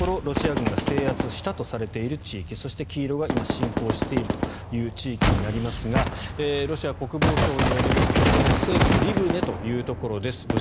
ロシア軍が制圧したとされている地域そして、黄色が今侵攻している地域になりますがロシア国防省によりますとこの西部のリブネというところです。